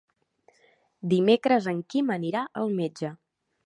Dimecres en Quim anirà al metge.